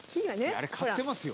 「あれ刈ってますよ」